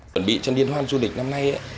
phần bị trần điên hoan du lịch năm nay